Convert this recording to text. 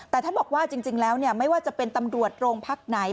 แต่ท่านบอกว่าจริงแล้วไม่ว่าจะเป็นตำรวจโรงพักไหน